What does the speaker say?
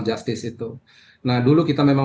justice itu nah dulu kita memang